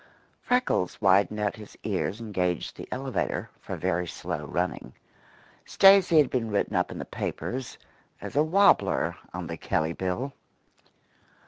Freckles widened out his ears and gauged the elevator for very slow running. Stacy had been written up in the papers as a wabbler on the Kelley Bill.